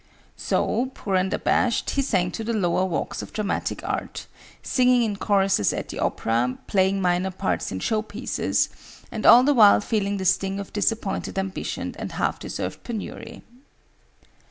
So, poor and abashed, he sank to the lower walks of dramatic art, singing in choruses at the opera, playing minor parts in show pieces, and all the while feeling the sting of disappointed ambition and half deserved penury.